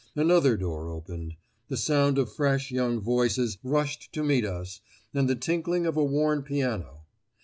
Another door opened. The sound of fresh, young voices rushed to meet us and the tinkling of a worn piano.